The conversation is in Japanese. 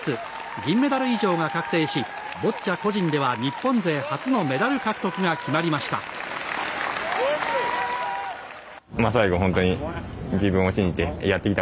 銀メダル以上が確定しボッチャ個人では日本勢初のメダル獲得が決まりました。